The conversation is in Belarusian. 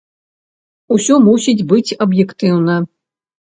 Усё мусіць быць аб'ектыўна.